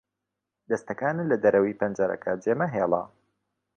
دەستەکانت لە دەرەوەی پەنجەرەکە جێمەهێڵە.